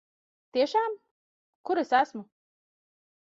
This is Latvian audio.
Tiešām? Kur es esmu?